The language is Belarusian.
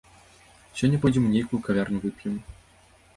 Сёння пойдзем у нейкую кавярню вып'ем.